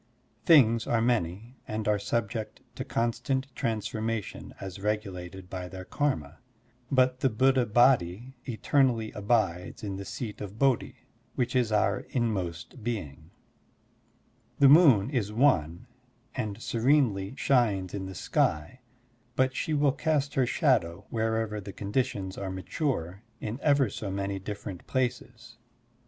Things are many, and are subject to constant transfor mation as regulated by their karma, but the Digitized by Google BUDDHIST FAITH 67 Buddha Body eternally abides in the Seat of Bodhi, which is otir inmost being. The moon is one and serenely shines in the sky, but she will cast her shadow, wherever the conditions are mature, in ever so many different places.